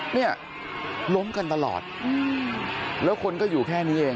เนี่ยล้มกันตลอดแล้วคนก็อยู่แค่นี้เอง